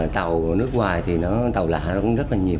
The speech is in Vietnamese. tàu nước ngoài thì nó tàu lạ nó cũng rất là nhiều